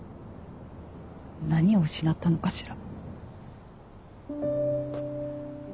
何を失ったのかしら。